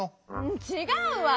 ちがうわよ！